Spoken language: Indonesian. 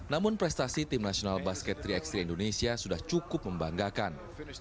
namun prestasi tim nasional basket tiga x tiga indonesia sudah cukup membanggakan